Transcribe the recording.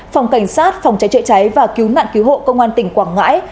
phòng cảnh sát phòng cháy chữa cháy và cứu nạn cứu hộ công an tỉnh quảng ngãi